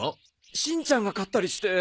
しんちゃんが勝ったりして。